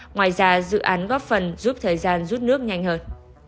ngoài ra dự án góp phần giúp thời gian rút nước nhanh hơn